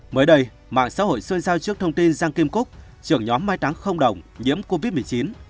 mới đây mạng xã hội xôi giao trước thông tin giang kim cúc trưởng nhóm mai táng không đồng nhiễm covid một mươi chín